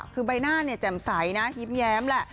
คือใบหน้าแจ่มใสนะยิ้มแย้มแหละ